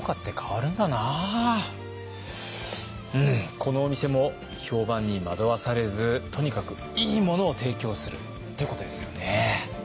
このお店も評判に惑わされずとにかくいいものを提供するってことですよね。